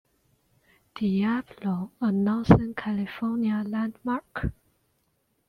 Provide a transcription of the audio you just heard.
Diablo, a northern California landmark.